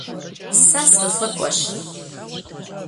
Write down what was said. Сэ сылӀыкӀуэщ.